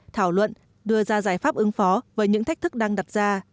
thảo luận đưa ra giải pháp ứng phó với những thách thức đang đặt ra